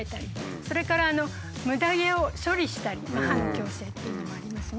それからムダ毛を処理したり歯の矯正っていうのもありますね。